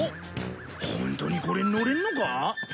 ホントにこれに乗れるのか？